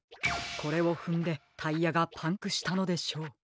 これをふんでタイヤがパンクしたのでしょう。